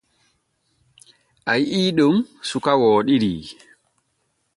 A yi’ii ɗon suka wooɗiri.